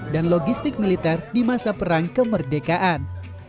dan logistik militer di masa perang kemerdekaan